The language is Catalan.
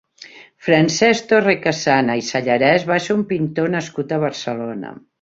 Francesc Torrescassana i Sallarés va ser un pintor nascut a Barcelona.